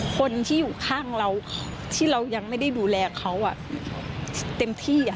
คนที่อยู่ข้างเราที่เรายังไม่ได้ดูแลเขาเต็มที่